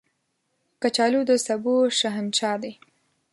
کچالو د سبو شهنشاه دی